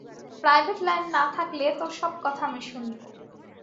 Private line না থাকলে, তোর সব কথা আমি শুনবো।